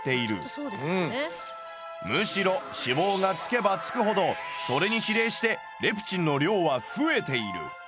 むしろ脂肪がつけばつくほどそれに比例してレプチンの量は増えている。